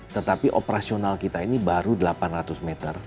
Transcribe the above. tetapi operasional kita ini baru delapan ratus meter